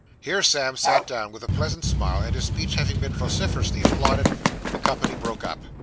Here Sam sat down with a pleasant smile, and his speech having been vociferously applauded, the company broke up.